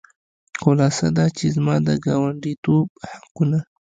خلاصه دا چې زما د ګاونډیتوب حقونه.